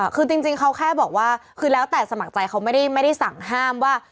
คือจริงเขาแค่บอกว่าคือแล้วแต่สมัครใจเขาไม่ได้สั่งห้ามว่า